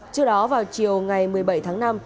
trước đó vào chiều ngày một mươi bảy tháng năm